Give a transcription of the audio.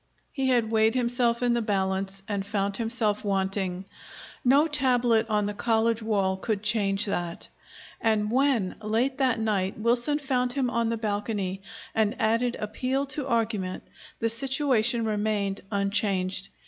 He had weighed himself in the balance, and found himself wanting. No tablet on the college wall could change that. And when, late that night, Wilson found him on the balcony and added appeal to argument, the situation remained unchanged.